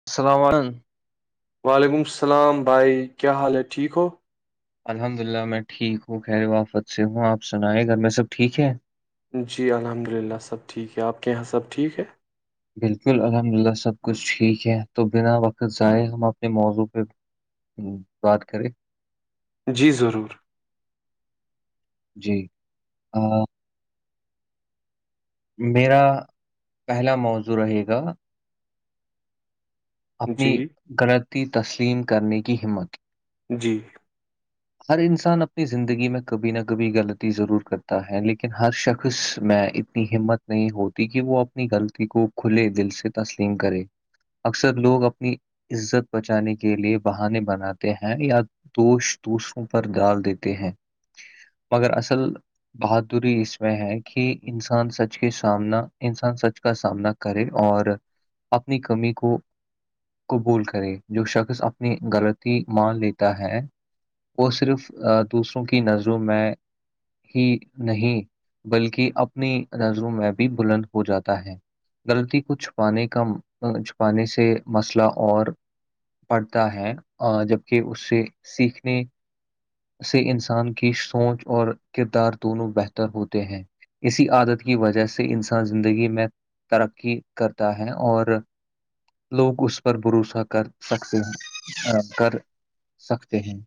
[unintelligible] [unintelligible] وعلیکم السلام بھائی کیا حالت ٹھیک ہو الحمد للہ میں ٹھیک ہوں خیر و آفت سے ہوں آپ سنیں گھر میں سب ٹھیک ہے جی الحمد للہ سب ٹھیک ہے آپ کے یہاں سب ٹھیک ہے بالکل الحمد للہ سب کچھ ٹھیک ہے تو بنا وقت ضائع ہم اپنے موضوع پہ ہ بات کریں [unintelligible] جی ضرور جی ہ میرا پہلا موضوع رہے گا اپنی جی غلطتی تسلیم کرنے کی ہمت جی ہر انسان اپنی زندگی میں کبھی نہ کبھی غلطی ضرور کرتا ہے لیکن ہر شخص میں اتنی ہمت نہیں ہوتی کہ وہ اپنی غلطی کو کھلے دل سے تسلیم کرے اکثر لوگ اپنی عزت بچانے کے لیے بہانے بناتے ہیں یا دوش دوسوں پر ڈال دیتے ہیں مگر اصل بہاد دوری اس میں ہے کہ انسان سچ کے سامنا انسان سچ کا سامنا کرے اور اپنی کمی کو قبول کرے جو شخص اپنی غلطی مان لیتا ہے وہ صرف دوسروں کی نظروں میں ہی نہیں بلکہ اپنی نظروں میں بھی بلند ہو جاتا ہے غلطی کو چھپانے کا چھپانے سے مسئلہ اور پڑھتا ہے جبکہ اس سے سیکھنے سے انسان کی سوچ اور کردار دونوں بہتر ہوتے ہیں اسی عادت کی وجہ سے انسان زندگی میں ترقی کرتا ہے اور لوگ اس پر بھروسہ کر سکتے ہیں کر سکتے ہیں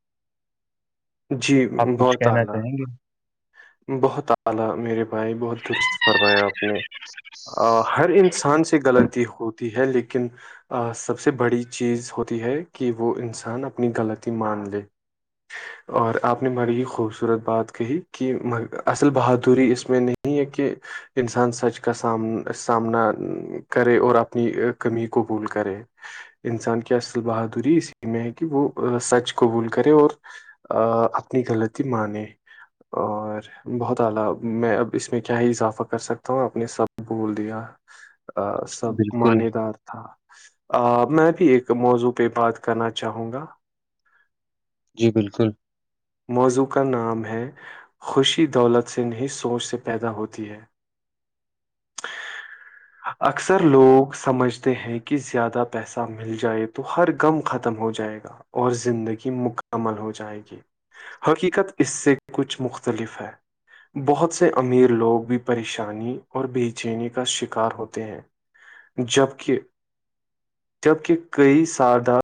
جی آپ کچھ بہت کہنا الا چاہیں گے بہت الا میرے بھائی بہت درست فرمایا اپ نے ہر انسان سے غلطی ہوتی ہے لیکن سب سے بڑی چیز ہوتی ہے کہ وہ انسان اپنی غلطی مان لے اور اپنے بڑی ہی خوبصورت بات کہی کہ کہ اصل بہادری اس میں نہیں ہے کہ انسان سچ کا سام سامنا کرے اور اپنی کمی قبول کرے انسان کی اصل بہادری اسی میں ہے کہ وہ سچ قبول کرے اور اپنی غلطی مانے اور بہت الا میں اب اس میں کیا ہی اضافہ کر سکتا ہوں آپ نے سب بول دیا ا سب بالکل معنی دار تھا میں بھی ایک موضوع پہ بات کرنا چاہوں گا جی بالکل موضوع کا نام ہے خوشی دولت سے نہیں سوچ سے پیدا ہوتی ہے اکثر لوگ سمجھتے ہیں کہ زیادہ پیسہ مل جائے تو ہر غم ختم ہو جائے گا اور زندگی مکمل ہو جائے گی حقیقت اس سے کچھ مختلف ہے بہت سے امیر لوگ بھی پریشانی اور بے چینی کا شکار ہوتے ہیں جبک جبک کئی سادہ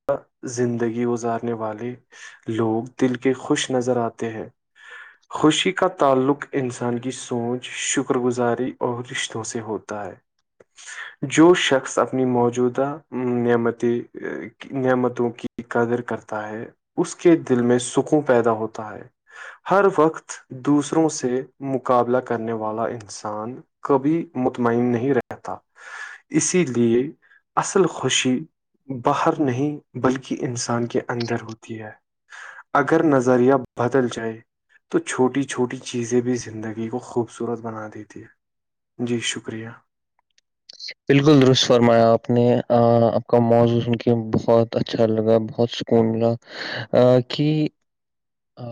زندگی گزارنے والے لوگ دل کے خوش نظر آتے ہیں خوشی کا تعلق انسان کی سوچ شکر گزاری اور رشتوں سے ہوتا ہے جو شخص اپنی موجودہ نعمتی نعمتوں کی قدر کرتا ہے اس کے دل میں سکوں پیدا ہوتا ہے ہر وقت دوسروں سے مقابلہ کرنے والا انسان کبھی مطمئن نہیں رہتا اسی لیے اصل خوشی باہر نہیں بلکہ انسان کے اندر ہوتی ہے اگر نظریہ بدل جائے تو چھوٹی چھوٹی چیزیں بھی زندگی کو خوبصورت بنا دیتی ہے جی شکریہ بالکل درست فرمایا آپ نے آپ کا موضوع سن کے بہت اچھا لگا بہت کون ملا کہ ا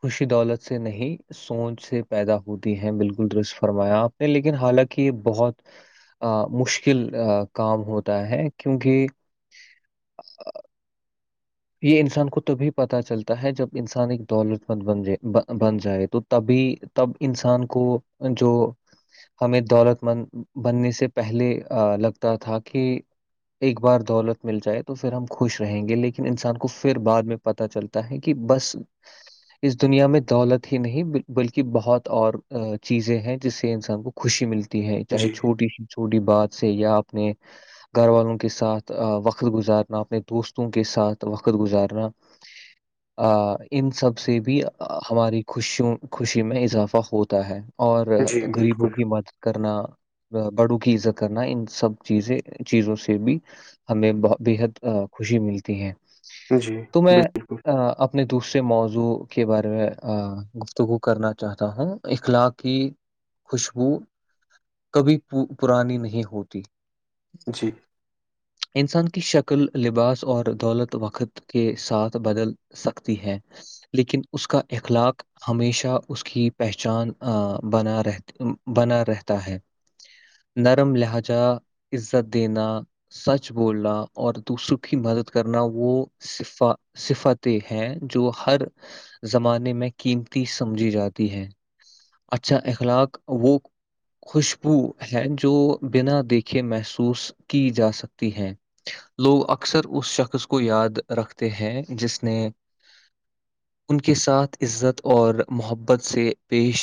خوشی دولت سے نہیں سوچ سے پیدا ہوتی ہے بالکل درست فرمایا آپ نے لیکن حالانکہ یہ بہت مشکل کام ہوتا ہے کیونکہ [unintelligible] یہ انسان کو تبھی پتا چلتا ہے جب انسان ایک دولت مند بن جائے بن جائے تو تبھی تب انسان کو جو ہمیں دولت مند بننے سے پہلے لگتا تھا کہ ایک بار دولت مل جائے تو پھر ہم خوش رہیں گے لیکن انسان کو پھر بعد میں پتا چلتا ہے کہ بس اس دنیا میں دولت ہی نہیں بلکہ بہت اور چیزیں ہیں جس سے انسان کو خوشی ملتی ہے چاہے جی چھوٹی سی چھوٹی بات سے یا اپنے گھر والوں کے ساتھ وقت گزارنا اپنے دوستوں کے ساتھ وقت گزارنا ان سب سے بھی ہماری خوشیوں خوشی میں اضافہ ہوتا ہے اور جی گغریبوں بالکل کی مدد کرنا بڑو کی عزت کرنا ان سب چیزیں چیزوں سے بھی ہمیں بت بےحد خوشی ملتی ہے جی تو میں بالکل اپنے دوسرے موضوع کے بارے میں گفتگو کرنا چاہتا ہوں اخلاق کی خوشبو کبھی پرانی نہیں ہوتی جی انسان کی شکل لباس اور دولت وقت کے ساتھ بدل سکتی ہے لیکن اس کا اخلاق ہمیشہ اس کی پہچان بنا رہ بنا رہتا ہے نرم لہجا عزت دینا سچ بولنا اور دوسروں کی مدد کرنا وہ صف صفاتیں ہیں جو ہر زمانے میں قیمتی سمجھی جاتی ہے اچھا اخلاق وہ خوشبو ہیں جو بنا دیکھے محسوس کی جا سکتی ہیں لوگ اکثر اس شخص کو یاد رکھتے ہیں جس نے ان کے ساتھ عزت اور محبت سے پیش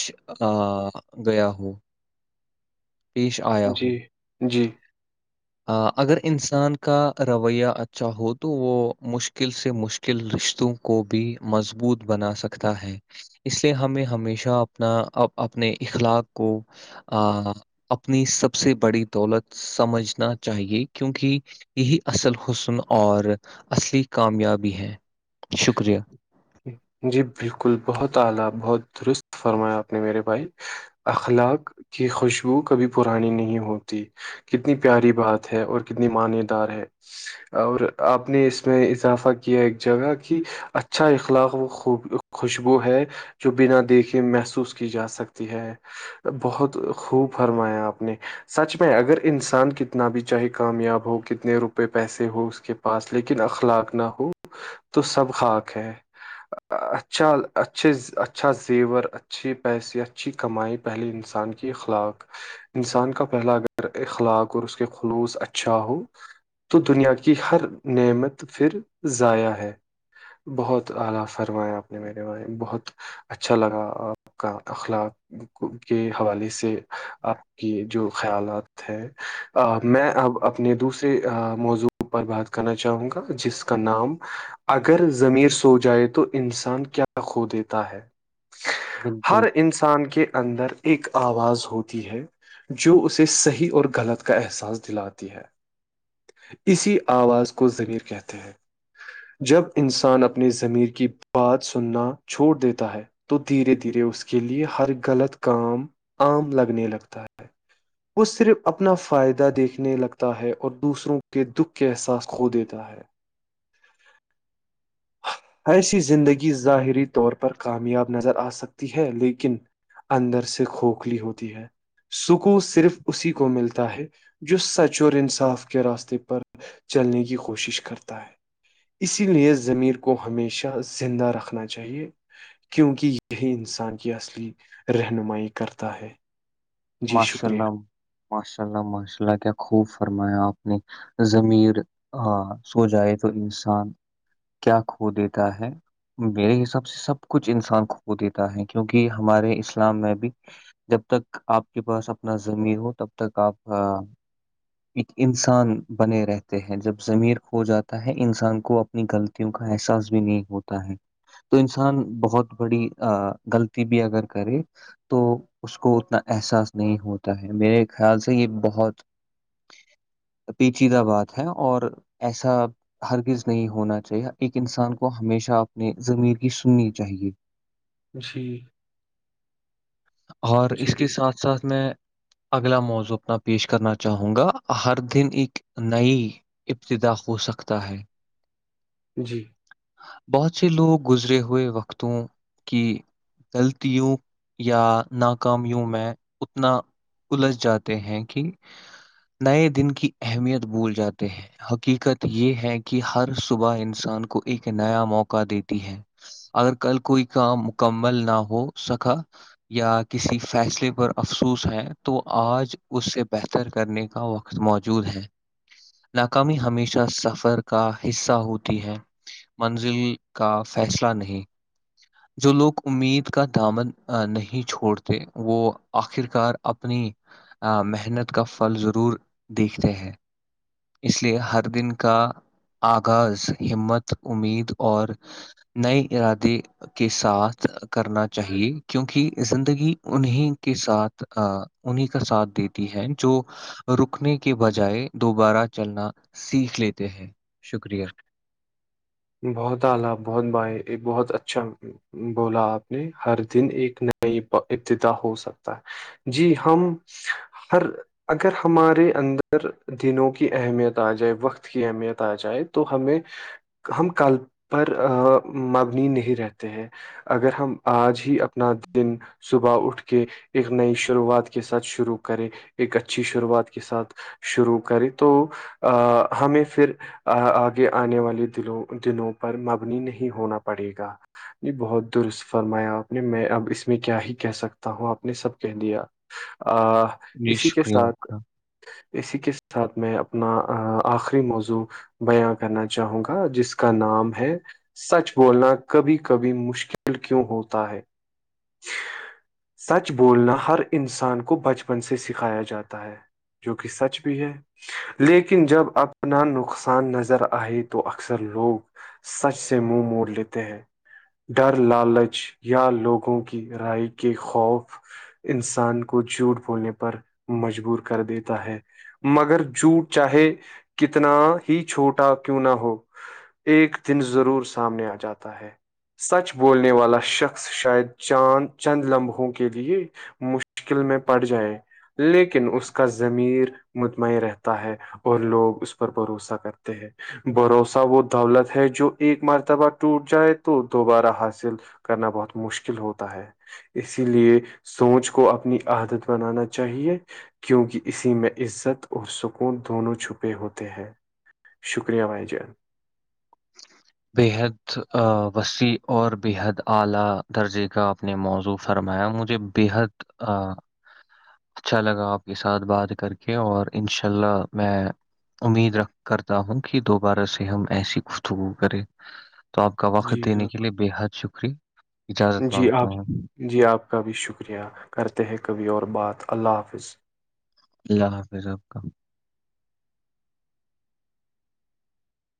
آ گیا ہو پیش آیا ہو جی جی اگر انسان کا رویہ اچھا ہو تو وہ مشکل سے مشکل رشتوں کو بھی مضبوط بنا سکتا ہے اس لیے ہمیں ہمیشہ اپنا اپنے اخلاق کو اپنی سب سے بڑی دولت سمجھنا چاہیے کیونکہ یہی اصل حسن اور اصلی کامیابی ہیں شکریہ جی بالکل بہت اعلی بہت درست فرمایا آپ نے میرے بھایی اخلاق کی خوشبو کبھی پرانی نہیں ہوتی کتنی پیاری بات ہے اور کتنی منی دار ہے اور آپ نے اس میں اضافہ کیا ایک جگہ کہ اچھا اخلاق خوب خوشبو ہے جو بنا دیکھے محسوس کی جا سکتی ہے بہت خوب فرمایا آپ نے سچ میں اگر انسان کتنا بھی چاہے کامیاب ہو کتنے روپئے پیسے ہو اس کے پاس لیکن اخلاق نہ ہو تو سب خاک ہے اچھا اچھے اچھا زیور اچھے پیسے اچھی کمائی پہلے انسان کی اخلاق انسان کا پہلا اگر اخلاق اور اس کے خلوص اچھا ہو یتو دنیا کی ہر نعمت پھر ضائع ہے بہت آلہف فرمایا آپ نے میرے ب بہت اچھا لگا آپ کا اخلاق کے حوالے سے آپ کی جو خیالات ہے میں اب اپنے دوسرے موضوع پر بات کرنا چاہوں گا جس کا کا نام اگر زمیر سو جائے تو انسان کیا کو دیتا ہے ہر بالکل انسان کے اندر ایک آواز ہوتی ہے جو اسے صحیح اور غلط کا احساس دلاتی ہے اسی آواز کو ضمیر کہتے ہیں جب انسان اپنی زمیر کی ب بات سننا چھوڑ دیتا ہے تو دھیرے دھیرے اس کے لیے ہر غلط کام آم لگنے لگتا ہے [inaudible] وہ صرف اپنا فائدہ دیکھنے لگتا ہے اور دوسروں کے دکھ کے احساس کھو دیتا ہے [inaudible] ایس یی زندگی ظاہری طور پر کامیاب نظر آ سکتی ہے لیکن اندر سے کھوکھلی ہوتی ہے سکو صرف اسی کو ملتا ہے جو سچ اور انصاف کے راستے پر چلنے کی کوشش کرتا ہے اسی لیے زمیر کو ہمیشہ زندہ رکھنا چاہیے کیونکہ یہی انسان کی اصلی رہنمائی کرتا ہے جی ماشاء شکریہ اللہ ماشاء اللہ ماشاء اللہ کیا خوب فرمایا آپ نے زضمیر سو جائے تو انسان کیا کھو دیتا ہے میرے حساب سے سب کچھ انسان کو کو دیتا ہے کیونکہ ہمارے اسلام میں بھی جب تک آپ کے پاس اپنا زمین ہو تب تک آپ ایک انسان بنے رہتے ہیں جب زمیر کھو جاتا ہے انسان کو اپنی غلطیوں کا احساس بھی نہیں ہوتا ہے تو انسان بہت بڑی غلطی بھی اگر کرے تو اس کو اتنا احساس نہیں ہوتا ہے میرے خیال سے یہ بہت پیچیدہ بات ہے اور ایسا ہرگز نہیں ہونا چاہیے ایک انسان کو ہمیشہ اپنے زمیر کی سننی چاہیے جی اور جی اس کے بال ساتھ ساتھ میں اگلا موضوع اپنا پیش کرنا چاہوں گا ہر دن ایک نئی ابتدا ہو سکتا ہے جی [inaudible] بہت سے لوگ گزرے ہوئے وقتوں کی غلطیوں یا ناکامیوں میں اتنا الج جاتے ہیں کہ نئے دن کی اہمیت بھول جاتے ہیں حقیقت یہ ہے کہ ہر صبح انسان کو ایک نیا موقع دیتی ہے اگر کل کوئی کام مکمل نہ ہو سکا یا کسی فیصلے پر افسوس ہے تو آج اس سے بہتر کرنے کا وقت موجود ہے ناکامی ہمیشہ سفر کا حصہ ہوتی ہے منزل کا فیصلہ نہیں جو لوگ امید کا دامن نہیں چھوڑتے وہ آخرکار اپنی محنت کا پھل ضرور دیکھتے ہیں اس لیے ہر دن کا آغاز ہمت امید اور ن ارادے [unintelligible] کے ساتھ کرنا چاہیے کیونکہ زندگی انہیں کے ساتھ انہیں کا ساتھ دیتی ہے جو رکنے کے بجائے دوبارہ چلنا سیکھ لیتے ہیں شکریہ بہت اعال بہت بھائی ایک بہت اچھا بولا آپ نے ہر دن ایک نئی ابتدا ہو سکتا ہے جی ہم ہر [unintelligible] اگر ہمارے اندر دنوں کی اہمیت آ جائے وقت کی اہمیت آ جائے تو ہمیں ہم کل پر مبنی نہیں رہتے ہیں اگر ہم آج ہی اپنا دن صبح اٹھ کے کہ ایک نئی شروعات کے ساتھ شروع کرے ایک اچھی شروعات کے ساتھ شروع کریں تو ہمیں پھر آگے آنے والی دلوں دنوں پر مبنی نہیں ہونا پڑے گا جی بہت درست فرمایا آپ نے میں اب اس میں کیا ہی کہہ سکتا ہوں آپ نے سب کہہ دیا آ جی اسی کے شکریہ آپ ساتھ [unintelligible] کا اسی کے ساتھ میں اپنا آخری موضوع بیاں کرنا چاہوں گا جس کا نام ہے سچ بولنا کبھی کبھی مشکل کیوں ہوتا ہے [unintelligible] سچ بولنا ہر انسان کو بچپن سے سکھایا جاتا ہے جو کہ سچ بھی ہے لیکن جب اپنا نقصان نظر آئے تو تو اکثر لوگ سچ سے منہ موڑ لیتے ہیں ڈر لالچ یا لوگوں کی رائے کے خوف انسان کو جھوٹ بولنے پر مجبور کر دیتا ہے مگر جوٹ چاہے کتنا ہی چھوٹا نہ ہو ایک دن ضرور سامنے آ جاتا ہے سچ بولنے والا شخص شاید چاند چند لمحوں کے لیے مشکل میں پڑ جائیں لیکن اس کا ضمیر مطمئن رہتا ہے اور لوگ اس پر بھروسہ کرتے ہیں بھروسہ وہ دولت ہے جو ایک مرتبہ ٹوٹ جائے تو دوبارہ حاصل کرنا بہت مشکل ہوتا ہے اسی لیے سوچ کو اپنی عادت بنانا چاہیے کیونکہ اسی میں عزت اور سکون دونوں چھپے ہوتے ہیں شکریہ بھائی جان بےحد وسیع اور بےحد اعلی درجے کا اپنے موضوع فرمایا مجھے بےحد اچھا لگا آپ کے ساتھ بات کر کے اور انشاء اللہ میں امید رکھ کرتا ہوں کہ دوبارہ سے ہم ایسی خفتگو کرے تو آپ کا وقت جی دینے کے لیے بے حد شکریہ اجازت جی مانگتا آپ ہوں جی آپ کا بھی شکریہ کرتے ہیں کبھی اور بات اللہ حافظ اللہ حافظ آپ کا